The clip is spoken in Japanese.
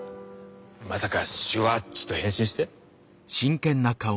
まさかシュワッチと変身して？